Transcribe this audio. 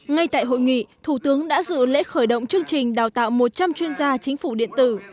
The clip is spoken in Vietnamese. ngay tại hội nghị thủ tướng đã dự lễ khởi động chương trình đào tạo một trăm linh chuyên gia chính phủ điện tử